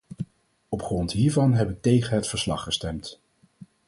Op grond hiervan heb ik tegen het verslag gestemd.